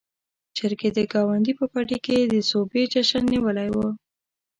چرګې د ګاونډي په پټي کې د سوبې جشن نيولی و.